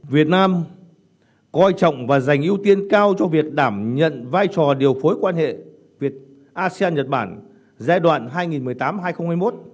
việt nam coi trọng và dành ưu tiên cao cho việc đảm nhận vai trò điều phối quan hệ việt asean nhật bản giai đoạn hai nghìn một mươi tám hai nghìn hai mươi một